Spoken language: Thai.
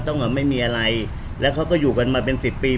ไม่มีอะไรแล้วเขาก็อยู่กันมาเป็นสิบปี